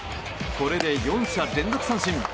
これで４者連続三振。